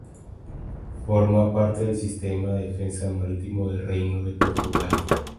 Formó parte del sistema de defensa marítimo del Reino de Portugal.